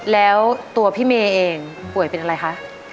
แล้วตัวพี่เมย์เองป่วยเป็นอะไรคะ